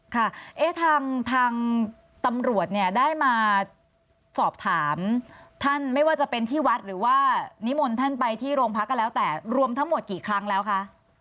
ค่ะเอ๊ะทางตำรวจเนี่ยได้มาสอบถามท่านไม่ว่าจะเป็นที่วัดหรือว่านิมนต์ท่านไปที่โรงพักก็แล้วแต่รวมทั้งหมดกี่ครั้งแล้วคะ